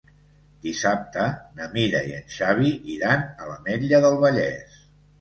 Dissabte na Mira i en Xavi iran a l'Ametlla del Vallès.